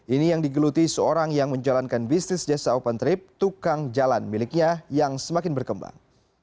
ini yang digeluti seorang yang menjalankan bisnis jasa open trip tukang jalan miliknya yang semakin berkembang